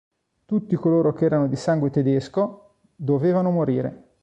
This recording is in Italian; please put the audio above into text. Tutti coloro che erano di sangue tedesco, dovevano morire.